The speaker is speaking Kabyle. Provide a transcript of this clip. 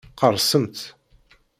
Qerrsemt!